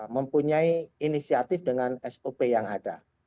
mempunyai inisiatif dengan sop yang ada